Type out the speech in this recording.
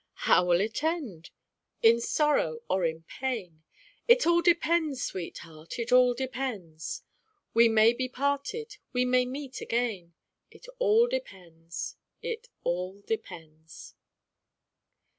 " How will it end ? In sorrow or in pain ? It all depends, sweetheart, it all depends." " We may be parted, we may meet again ; It all depends, it all depends."